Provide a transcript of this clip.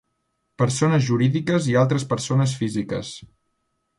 Persones jurídiques i altres persones físiques.